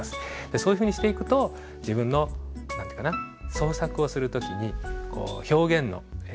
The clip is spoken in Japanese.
そういうふうにしていくと自分の何て言うかな創作をする時に表現のコツがポケットにたまっていく。